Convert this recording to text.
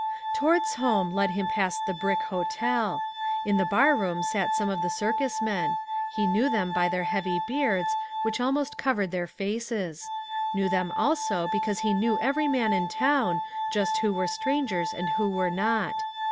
Towards home led him past the brick hotel. In the bar room sat some of the circus men; he knew them by their heavy beards, which almost covered their faces; knew them also because he knew every man in town, just who were strangers and who were not.